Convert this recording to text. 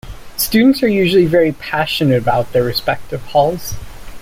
Students are usually very passionate about their respective halls.